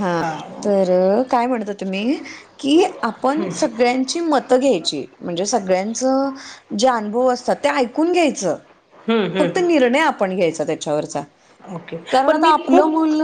हा हां. तर काय म्हणत होते मी की, आपण सगळ्यांची मत घ्यायची म्हणजे सगळ्यांच जे अनुभव असतात, ते ऐकून घ्यायचं. हम्म फक्त हम्म. निर्णय आपण घ्यायचा त्याच्या वरचा. ओके. कारण पण मी आता आपलं खूप मुल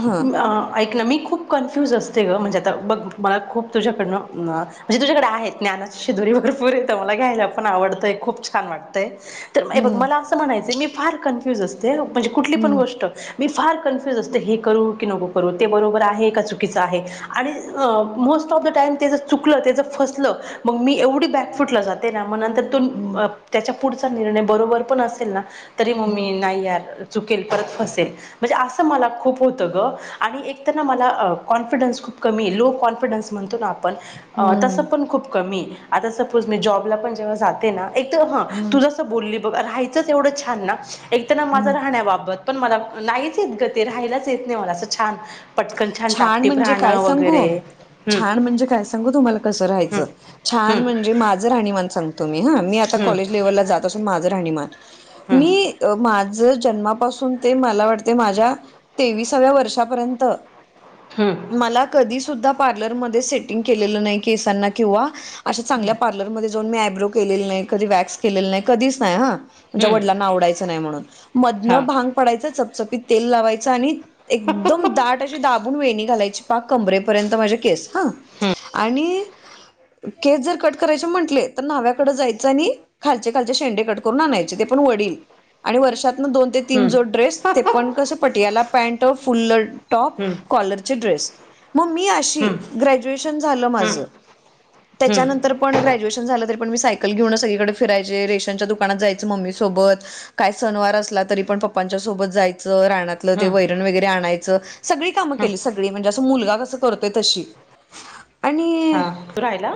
हा अ, ऐक ना मी खूप कन्फ्युज असते गं म्हणजे, आता बघ मला खूप तुझ्याकडनं म्हणजे तुझ्याकडे आहे ज्ञान. शिदोरी वगैरे भरपूर येत मला घ्यायला आवडतंय खूप छान! वाटतंय. बघ हम्म मला असं म्हणायचं मी फार कन्फ्युज असते, म्हणजे कुठली पण हम्म गोष्ट मी फार कन्फ्युज असते, हे करू की नको करू ते बरोबर आहे का चुकीचं आहे आणि most most of the time ते जर चुकल फसल की, मग मी एवढं बॅक फूट ल जाते ना. म नंतर हम्म तुन- त्याच्या पुढचा निर्णय बरोबर पण असेल, ना तरी हम्म मी नाही यार चुकेल परत फसेल म्हणजे, असं मला खूप होतं ग आणि एक त्यांना मला कॉन्फिडन्स खुप खूप कमीये लो कॉन्फिडनस म्हणतो ना आपण पण तस हम्म पण खूप कमीये, आता सपोज मी जॉबला पण जेव्हा जाते ना. एक हम्म तू जस बोलली बघ, राहायचंच एवढं छान ना, एक तर ना माझ हम्म राहन्या बत पण मला नाहीच येत ग ते, राहायलाच येत नाही मला असं छान. पटकन छान टापटीप म्हणजे काय राहणं सांगू वगैरे हम्म छान म्हणजे काय सांगू तुम्हाला कसं हम्म राहायचं? छान हम्म म्हणजे माझं राहणीमान सांग तो मी हा, मी आता कॉलेज लेवलला जात असून माझ राहणीमान हम्म मी माझ जन्मापासून ते मला वाटते माझ्या तेवीसाव्या वर्षापर्यंत हम्म हम्म मला कधी सुद्धा पार्लरमध्ये सेटिंग केलेलं नाही केसांना किंवा अशा चांगल्या पार्लरमध्ये जाऊन मी आयब्रो केलेलं नाही, कधी वॅक्स केलेलं नाही, कधीच नाही हां. आमच्या हम्म वडिलांना आवडायचं नाही म्हणून, हां मधनं भांग पाडायचं, चपचपीत तेल लावायचं आणि एकदम दाट अशी दाबून वेणी घालायची, पाक कमरेपर्यंत माझे केस हां हम्म आणि केस जर कट करायचे म्हटले, तर न्हाव्याकडे जायचं आणि खालचे खालचे शेंडे कट करून आणायचे, ते पण वडील आणि वर्षात न दोन ते तीन हम्म, जोड ड्रेस, ते पण कस? पटियाला पॅन्ट फुल्ल अ टॉप, हम्म, कॉलरचे ड्रेस. मग मी अशी, हम्म, ग्रॅज्युएशन झालं माझ, हम्म, हम्म, त्याच्यानंतर पण ग्रॅज्युएशन झाल तरी पण, मी सायकल घेऊन सगळीकडे फिरायचे, रेशनच्या दुकानात जायचं मम्मी सोबत, काय सणवार असला तरी पण, पप्पांच्या सोबत जायचं, रानातलं ते हम्म, वैरण वगैरे आणायचं. सगळी कामं हम्म. केली, सगळी म्हणजे असं मुलगा कसं करतोय तशी हा आणि तू रहायला.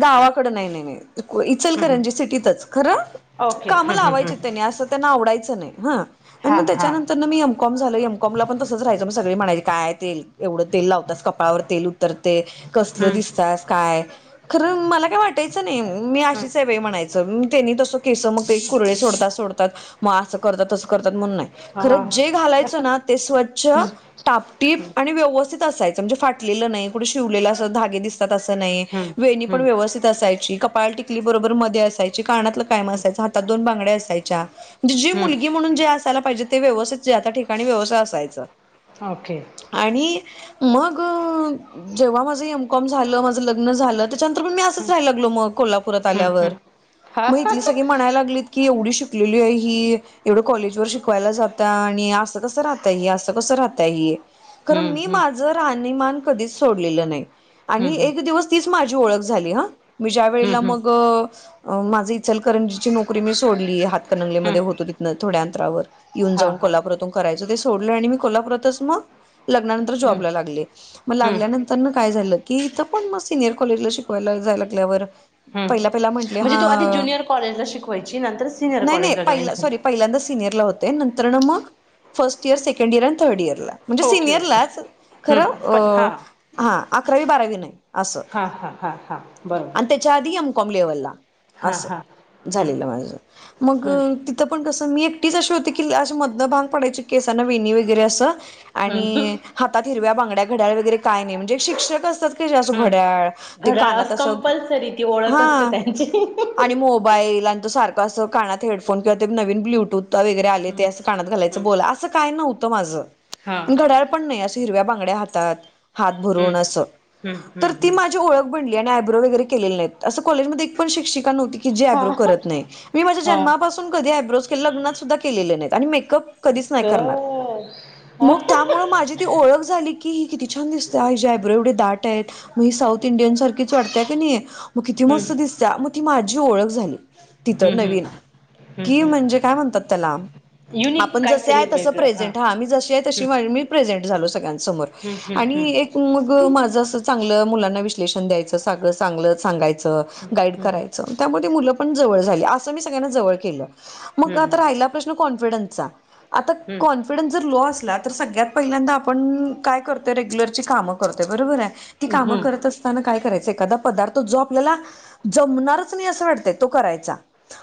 गावाकड नाही नाही नाही. हम्म. इचलकरंजी सिटीतच, खरं ओके काम हम्म, हम्म, लावायचे हम्म. तेंनी, असं त्यांना आवडायचं नाही. हा आणि हा मग हा त्याच्यानंतर न मी एम कॉम झालो. एम कॉम ला पण तस तसेच राहायचं. मग सगळे म्हणायचे. काय तेल एवढं तेल लावत्यास कपाळावर तेल उतरते. कसलं हम्म, दिसत्यास काय. खरं मला काय वाटायचं नाही. मी हम्म. आशिच च बाई हाय म्हणायचं. त्यांनी तसं केस मग का कुरळे सोडतात. सोडतात. मग असं करतात. तसं करतात. म्हणून नाही हा. खरंच जे घालायचं ना ते स्वच्छ स्वच्छ, हम्म, टापटीप, आणि व्यवस्थित, असायचं म्हणजे फाटलेलं नाही कुठं शिवलेलं अस धागे दिसतात अस नाही. हम्म, वेणी पण हम्म, व्यवस्थित असायची. कपाळाला टिकली बरोबर मध्ये असायची. कानातले कायम असयाचं. हातात दोन बांगड्या असायचया. जी हम्म. मुलगी म्हणून जे असायला पाहिजे ते व्यवथित त्या ठिकाणी व्यवसाय असायचा. ओके आणि मग. जेव्हा माझं एमकॉम झालं. माझं लग्न झालं. त्याच्यानंतर मी असंच हम्म, राहायला लागलो मग. कोल्हापुरात हम्म, आल्यावर. हम्म. हा मग हितली सगळी म्हणायला लागलीत. की एवढी शिकलेली आहे ही. एवढं कॉलेज वर शिकवायला जाता आणि असं कसं राहता अस. कसं राहता ही. खरं हम्म, मी हम्म, माझं राहणीमान कधीच सोडलेलं नाही. हम्म, आणि हम्म, एक दिवस तीच माझी ओळख झाली हं. मी ज्या हम्म, वेळेला हम्म, मग. माझं इचलकरंजीची नोकरी मी सोडली. हातकणंगलेमध्ये हम्म. होतो तिथनं थोड्या अंतरावर हा येऊन-जाऊन हा कोल्हापुरातून करायचं ते सोडलं. आणि मी कोल्हापुरातच मग. लग्नानंतर हम्म, जॉबला लागले. मग हम्म, लागल्यानंतर काय झालं कि इथं पण मग सिनियर कॉलेज शिकवायला. जायाया लागल्यावर हम्म. पहिल्या म्हणण्यावर म्हणजे तू आधी हा. ज्युनियर कॉलेजला शिकवायची नंतर सिनियर नाही-नाही कॉलेजला जॉईन पहिल्या झाली सॉरी पहिल्यांदा सीनियरला होती. ते नंतर मग. First year. Second year. अ थर्ड इयर ला. म्हणजे ओके ओके सिनियरलाच. हम्म, पण खरं हा हा अकरावी बारावी नाही. असं हा हा हा हा आणि बरोबर त्याच्या आधी आम एम. कॉम लेवलला हा हा हम्म झालेला माझ. मग हम्म तिथं पण कसं मी एकटीच अशी होती की. अशी मधनं भांग पडयची केसना वेणी वगैरे असं. हम्म आणि हातात हिरव्या बांगड्या घड्याळ वगैरे काय नाही, म्हणजे शिक्षक असतात ते असं हम्म घड्याळ ते घड्याळ कानात असं कंपल्सरी ती ओळख हा असते त्यांची आणि हम्म मोबाईल. आणि त सारखं असं कानात हेडफोन किंवा ते नवीन ब्लूटूथ वगैरे आले, ते असं कानात घालायचं हम्म बोला असं काय नव्हतं माझ हा घड्याळ पण नाही असं हिरव्या बांगड्या हातात हात हम्म भरून असं. हम्म तर हम्म ती हम्म माझी ओळख बनली आणि आयब्रो वगैरे केलेली नाही, असं कॉलेजमध्ये एक पण शिक्षिका नव्हती. की जे हा आयब्रो करत नाही, मी माझ्या हा जन्मापासून कधी आयब्रो केलेले नाहीत आणि मेकअप नाही करणार. हो. मग त्यामुळे माझी ती ओळख झाली की, ही किती छान! दिसतेय हिचे आयब्रो एवढे दाट आहेत. साऊथ इंडियन सारखीच वाटतीय की नाही, मग किती हम्म मस्त दिसत्या. ती माझी ओळख झाली तिथं हम्म हम्म नवीन हम्म की हम्म म्हणजे काय म्हणतात त्याला? युनिक आपण जसे काहीतरी आहे तसं वेगळं प्रेझेंट हा मी जशी आहे तशी हम्म मी प्रेझेंट झालो सगळ्यांच समोर हम्म आणि हम्म एक मग माझं असं चांगलं मुलांना विश्लेषण द्यायचं सगळं चांगलं सांगायचं गाईड हम्म हम्म करायचं. त्या मधी मुलं जवळ झाले, असं मी सगळ्यांना जवळ केलं, मग आत्ता राहिला प्रश्न कॉन्फिडन्स चा आता हम्म हम्म कॉन्फिडन्स जर लो असला तर सगळ्यात पहिल्यांदा आपण काय करतोय, रेग्युलरची कामं करतोय. बरोबर आहे ती हम्म काम हम्म करत असताना काही करायच एखादा पदार्थ जो आपल्याला जमणारच नाही, असं वाटत तो करायचा.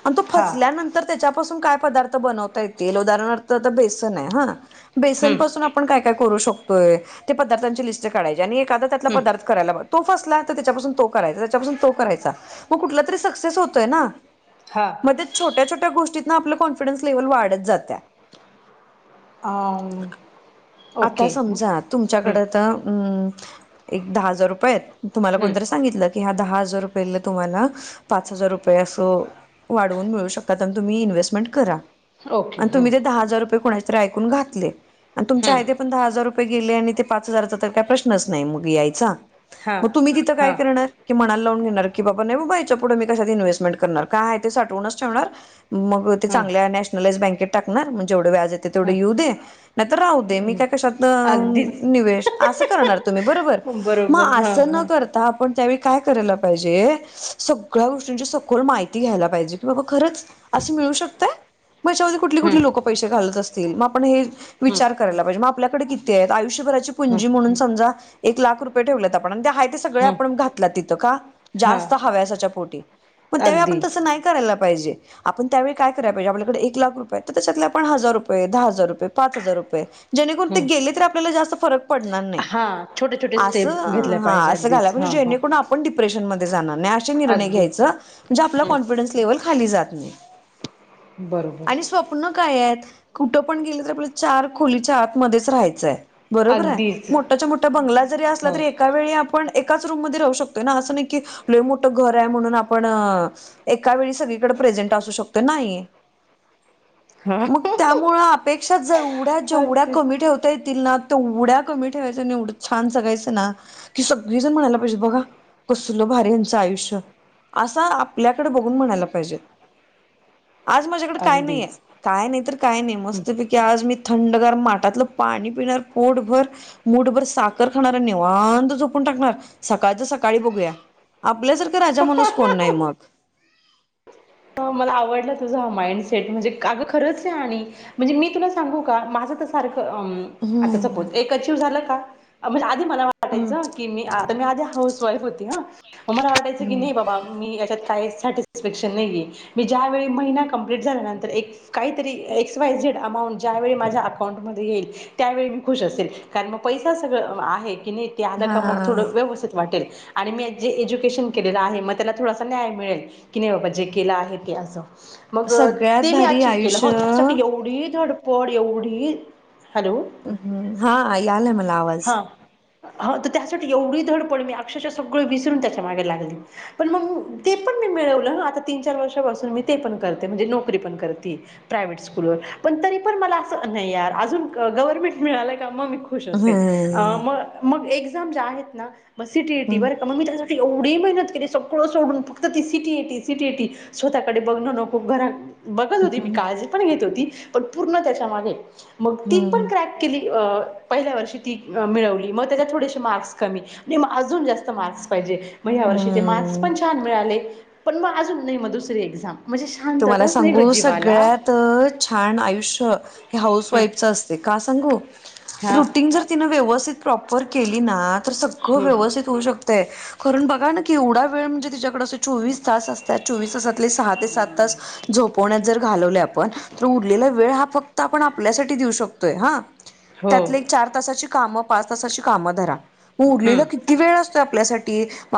आणि तो हा फसल्यानंतर त्याच्यापासून काय पदार्थ बनवता येतील उदाहरणार्थ ते बेसन आहे बेसन हम्म पासून आपण काय काय करू शकतोय, त्या पदार्थांची लिस्ट काढायला घ्यायची एखाद्या हम्म पदार्थ करायला घ्यायचा, आणि तो पदार्थ फसला करायचा त्याच्यापासून तो करायचा मग कुठला तरी सक्सेस होतोय ना? हा मग छोट्या -छोट्या गोष्टीत ना आपलं कॉन्फिडन्स लेव्हल वाढत जात्या. हा अम. आता समजा तुमच्याकडे तर. अम एक दहा हजार रुपये आहेत. तुम्हाला हम्म कोणतरी सांगितलं. की हया दहा हजार रुपयाला. तुम्हीला पाच-हजार रुपये असो वाढवून मिळु‌ शकतात. आणि तुम्ही इन्व्हेस्टमेंट करा. ओके आणि हम्म तुम्ही ते दहा-हजार रुपये कोणाच तरी ऐकून घातले. तुमचे हम्म हाय ते पण दहा हजार रुयये गेले. आणि ते पाच हजारचा तर काय प्रश्नच नाही मग यायचा हां मग तुम्ही तिथं काय हां करणार. की मनाला लावून घेणार. की बाबा नाहीबाबा याच्या पुढे मी कशात इन्हेस्टमेंट करणार. काय ते साठवूनच ठेवणार. मग ते हम्म चांल्या नश युनियन बँकेत टाकणार. आणि व्याज येते तेवढे हम्म येऊ दे राहु दे मी हम्म. काय कशातन अगदीच इननिवेश अस करणार. बरं -बरं बरोबर हां असं न हां करता आपण ज्यावेळी. काय करायला पाहिजे. सगळं गोष्टींची म्हणजे सगळ माहिती घ्यायला पाहिजे की खरच. करू शकताय हम्म कुठली-कुठली लोक पैशे घालत असतील. मग आपण हे हम्म विचार करायला पाहिजे. मग आपल्याकडे किती आहेत. आयुष्यभराची हम्म पुंजी म्हणून समजा एक लाख रुपये ठेवल्या आपण. आहेत ते. सगळे हम्म आपण घातल तिथं का? हां जास्त हव्याच्या पोटी. मग त्या वेळी अगदी आपण तसं नाही करायला े पाहिजे. आपण त्यावेळी काय कराय पाहिजे. आपल्याकडे एक लाख रुपये तर त्यांच्यातले‌ पण हजार रुपये. दहा हजार रुपये. पाच हजार रुपये. जेणेकरून ते हम्म गेले तर आपल्याला जास्त फरक पडणार‌ नाही. हां छोटे छोटे अस स्टेप घेतल्या हा पाहिजे असं जे घालायला अगदीच पाहिजे हां हां जेणेकरून डिप्रेशन जाणार नाही. अशी निर्णय अगदीच घ्यायचं म्हणजे तूम्ही आपलं हम्म कॉन्सिडन्स खाली जाईल. बरोबर आणि स्वप्न काय आहेत. कुठं पण गेलं तर आपल्या चार खोलीच्या आतमध्येच राहायचंय. बरोबर आहे अगदीच मोठ्याच्या मोठा बंगला जरी असला हो तरी एका वेळी आपण एकाच रूम मध्ये राहू शकतोय ना असं नाही की लाय मोठं घर आहे म्हणून आपण एका वेळी सगळीकडे प्रेंझेनट असू शकते नाही. ह [unintelligible] मग त्यामुळे अपेक्षा जर जेवड्या -जेवड्या अगदी कमी ठेवता येतील ना तेवड्या कमी ठेवायचं नाही छान सांगायचं ना की सगळीजण म्हणायला पाहिजे बघा कसलं भारी यांचं आयुष्य असं आपल्याकडे बघून म्हणायला पाहिजेत. - [unintelligible] आज माझ्याकडे काय नाहीये काय नाही तर काय नाही हम्म. मस्त पैकी की आज मी थंडगार माटातलं पाणी पिणार पोटभर मुठभर साखर खाणार आणि निवांत निवांत झोपून टाकणार सकाळचं सकाळी बघूया आपल्यासारखा राजा माणूस कोण नाही मग [unintelligible] मला आवडला तुझा माइंडसेट म्हणजे अगं खरंच आहे, आणि म्हणजे मी तुला सांगू का माझं तर सारखं [inaudible] आता हम्म सपोज एक अचिव्ह झाला का म्हणजे आधी मला हम्म वाटायचं की मी मी आधी हाऊसवाईफ होती ना मला वाटायचं की नाही बाबा मी हेच्यात काहींसाठी सॅटिस्फॅक्शन नाहीये. मी ज्या वेळी महिना कंप्लीट झाल्यानंतर एक काहीतरी एक्स वाय झेड अमाऊंट ज्यावेेळी माझ्या अकाउंटमध्ये [inaudible] त्यावेळी मी खुश असते कारण मग पैशा सगळं आहे. नाही की ते आला का मग हा. थोडं व्यवस्थित वाटेल. [inaudible] आणि मी जे एज्युकेशन केलेलं आहे मग त्याला थोडासा न्याय मिळेल की नाही बाबा जे केलं आहे. [inaudible] मग सगळ्यात ते मी भारी अचीव केलं आयुष्य होतं त्यासाठी एवढी धडपड एवढी [inaudible] हॅलो ् हम्म हा यालाय मला आवाज ह तर त्यासाठी एवढी धडपड मी अक्षरशः सगळं विसरून त्याच्या मागे लागले पण मग ते पण मी मिळवलं हा आता तिनं चार वर्षे पासून मी ते पण करते म्हणजे नोकरी पण करते प्रायव्हेट स्कूलवर पण तरी मला अस अज नाही यार अजून गवमेट मिळालय की मग मी खुश असेल हम्म मग एक्झाम ज्या आहेत ना सीटीटी हम्म वर मग मी त्या एवढी मेहनत केली सगळं सोडून फक्त ती सिटी एटी सिटी एटी स्वतःकडे बघण नको घरा बघत होती मी काळजी पण घेत होती पण पूर्ण त्याच्या मागे मग ती पण हम्म क्रॅक केली. पहिल्या वर्षी ती मिळवली मग त्याच्यात थोडेसे मार्क्स कमी म्हजे अजून जास्त मार्क्स पाहिज. वर्षी ते मार्स हम्म. पण छान मिळाले पण म अजून नाही मग दुसरी एझाम तुम्हाला सांगू सगळ्यात छान आयुष्य हे हाऊस वाईफच असते का सांगू हा रुटीन जर तिन व्यवस्थित प्रॉपर केली ना, तर सगळं हम्म व्यवस्थित होऊ शकतं. ण बघा ना की एवढा वेळ म्हणजे तिच्या कडे चोवीस तास असत चोस तासातले सहा ते सात आ झोपवण्यात जर घालवले आपण तर उरलेला वेळ हा फक्त आपण आपल्यासाठी देऊ शकतोय हा. हो त्यातले एक चार तासाची काम पाच तासाची कामं धरा मग उरलेला हम्म किती वेळ असतो. आपल्या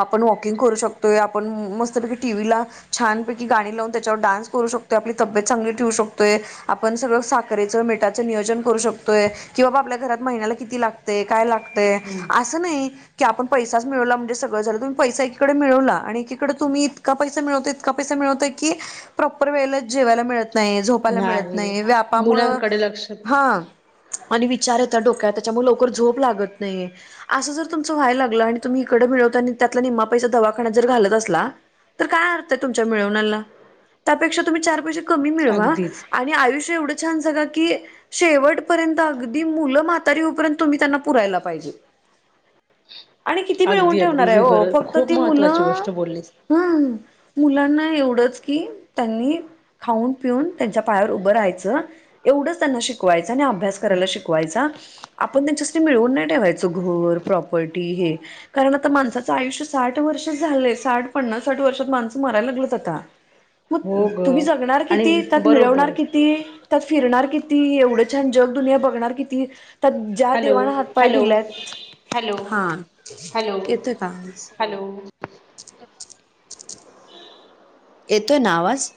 आपण वॉकिंग करू शकतोय आपण मस्तपैकी टी व्ही ला छानपैकी गाणी लावून त्याच्यावर डान्स करू शकतो, आपली तबेत चांगली ठेू शकतोय, आपण सगळ साखेचं मिटाचं नियोजन करू शकतो. कि बाबा आपल्या घरात महिन्याला किती लागते काय लागतय असं नाही. की आपन पैसा च मिळवला म्हणजे सगळ झालंुम्ही पैसा एकीकडे मिळवला आणि एकीकडे तुम्ही इतका पैसा मिळवतो इतका पैसा मिळत क प्रॉपर वेळेला जेवायला मिळत. नाही, झोपायला मिळत नाही, व्यापामुळ मुलांकडे लक्ष हा आणि विचार होता डोक्या त्याच्यामुळे त त्या दवा [inaudible] घालत असला तर काय अर्थ तुमच्या मिळवण्याला त्यापेक्षा तुम्ही चार पैसे कमी मिळवा अगदीच आणि आयुष्य एवढं छान जगा की शेवट पर्यंत अगदी मुलं म्हातारी होऊपर्यंत तुम्ही त्यांना पुरायला पाहिजे. आणि किती मिळवून अगदी अगदी ठेवणार आहे. ही ओ गरज फक्त खूप ती महत्त्वाची मुलं गोष्ट बोललीस हम मुलांना एवढंच की त्यांनी खाऊन पिऊन त्यांच्या पायावर उभं राहायचं एवढंच त्यांना शिकवायचं, आणि अभ्यास करायला शिकवायचा. आपण त्यांच्या साठी मिळवून नाही ठेवायचं, घर प्रापर्टी हे कारण आता माणसाचं आयुष्य साठ वर्ष झाले साठ पन्नास साठ वर्षात माणसं मरायला लागलेत आता. मग हो ग तुम्ही जगणार आणि किती, त्यात बरोबर मिळवणार किती त्यात फिरणार किती? किती एवढं छान! जग दुनिया बघणार किती तर ज्या हॅलो देवाना हातपाय हॅलो दिलेत हॅलो हा हॅलो येतंय का? हॅलो येतोय ना आवाज.